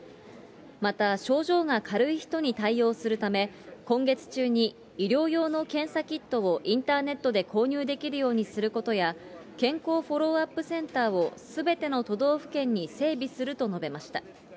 また、症状が軽い人に対応するため、今月中に医療用の検査キットをインターネットで購入できるようにすることや、健康フォローアップセンターをすべての都道府県に整備すると述べました。